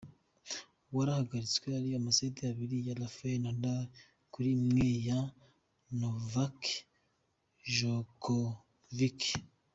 Warahagaritswe ari amaseti abiri ya Rafayeli Nadali kuri imwe ya Novaki jokovici.